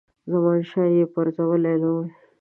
زمانشاه یې پرزولی نه وي.